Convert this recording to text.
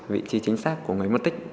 vị trí chính xác của người mất tích